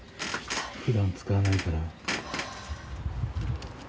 普段使わないから。